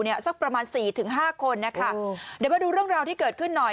สักประมาณสี่ถึงห้าคนนะคะเดี๋ยวมาดูเรื่องราวที่เกิดขึ้นหน่อย